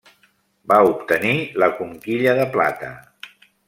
Va obtenir la Conquilla de Plata.